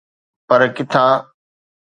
پر ڪٿان؟